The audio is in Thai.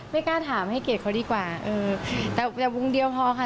ไม่กล้าถามให้เกียรติเขาดีกว่าเออแต่วงเดียวพอค่ะ